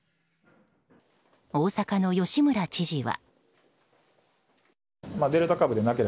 大阪の吉村知事は。